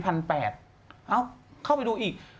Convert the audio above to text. ครับเข้าไปดูอีก